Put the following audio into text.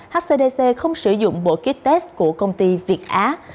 hcdc không sử dụng bộ kích test của công ty việt á